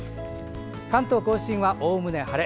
関東・甲信は、おおむね晴れ。